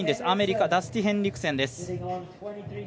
アメリカダスティー・ヘンリクセン。